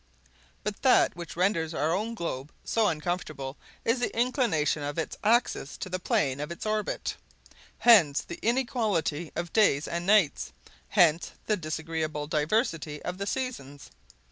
But that which renders our own globe so uncomfortable is the inclination of its axis to the plane of its orbit. Hence the inequality of days and nights; hence the disagreeable diversity of the seasons.